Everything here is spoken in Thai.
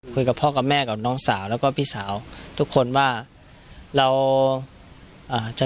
คุยกับพ่อกับแม่กับน้องสาวแล้วก็พี่สาวทุกคนว่าเราอ่าจะ